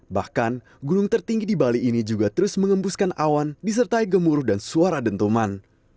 bahkan gunung tertinggi di bali ini juga terus mengembuskan awan disertai gemuruh dan suara dentuman